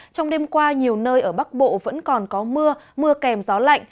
trong đêm qua nhiều nơi ở bắc bộ vẫn còn có mưa mưa kèm gió lạnh